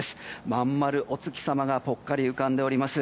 まん丸お月様がぽっかり浮かんでおります。